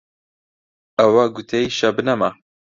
ئەوە گوتەی شەبنەمە